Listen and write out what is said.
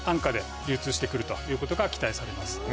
流通して来るということが期待されます。